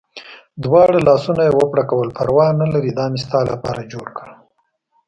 دواړه لاسونه یې و پړکول، پروا نه لرې دا مې ستا لپاره جوړ کړل.